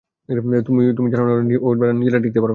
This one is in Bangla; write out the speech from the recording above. তুমি জানো ওরা নিজেরা টিকতে পারবে না।